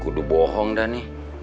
gua udah bohong dah nih